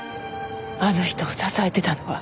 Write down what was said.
あの人を支えてたのは。